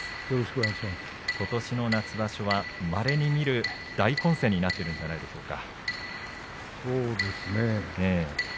ことしの夏場所は、まれに見る大混戦になっているのではないでしょうか。